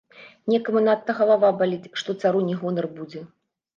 Некаму надта галава баліць, што цару не гонар будзе?!